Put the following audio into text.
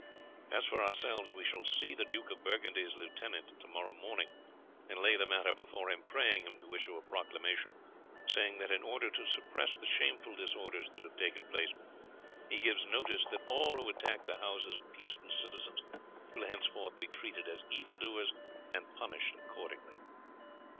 As for ourselves, we shall see the Duke of Burgundy's lieutenant to morrow morning and lay the matter before him, praying him to issue a proclamation saying that in order to suppress the shameful disorders that have taken place, he gives notice that all who attack the houses of peaceful citizens will henceforth be treated as evildoers and punished accordingly."